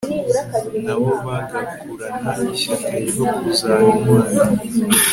nabo bagakurana ishyaka ryo kuzaba intwari